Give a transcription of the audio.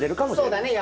そうだね